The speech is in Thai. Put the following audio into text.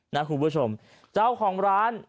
นะคุณผู้ชมเจ้าของร้าน